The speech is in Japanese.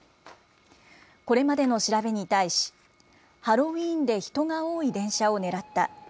これまでの調べに対し、ハロウィーンで人が多い電車を狙った。